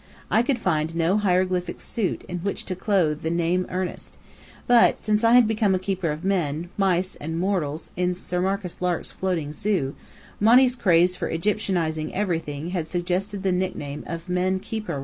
I could find no hieroglyphic suit in which to clothe the name Ernest; but since I had become keeper of men, mice, and morals in Sir Marcus Lark's floating zoo, Monny's craze for Egyptianizing everything had suggested the nickname of Men Kheper Rã.